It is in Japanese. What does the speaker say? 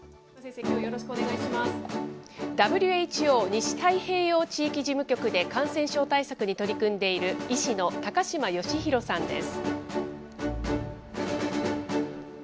ＷＨＯ西太平洋地域事務局で、感染症対策に取り組んでいる、医師の高島義裕さんです。